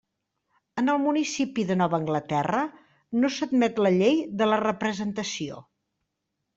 En el municipi de Nova Anglaterra, no s'admet la llei de la representació.